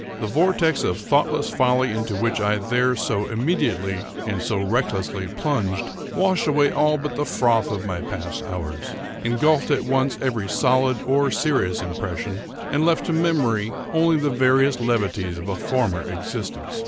The vortex of thoughtless folly into which I there so immediately and so recklessly plunged, washed away all but the froth of my past hours, engulfed at once every solid or serious impression, and left to memory only the veriest levities of a former existence.